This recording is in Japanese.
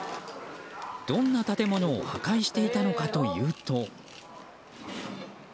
どんな建物を破壊していたのかというと。